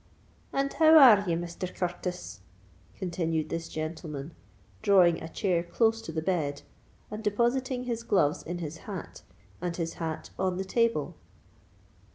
"And how are ye, Misther Curtis?" continued this gentleman, drawing a chair close to the bed, and depositing his gloves in his hat, and his hat on the table.